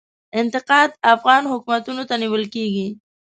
انتقاد افغان حکومتونو ته نیول کیږي.